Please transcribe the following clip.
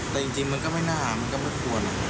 แต่จริงมันก็ไม่น่ามันก็ไม่ควร